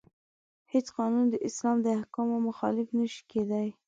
هیڅ قانون د اسلام د احکامو مخالف نشي کیدای.